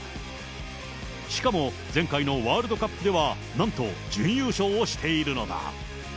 しかも、前回のワールドカップでは、なんと準優勝をしているのだ。